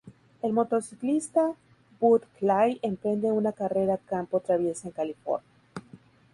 El motociclista Bud Clay emprende una carrera a campo traviesa en California.